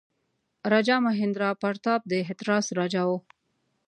راجا مهیندراپراتاپ د هتراس راجا وو.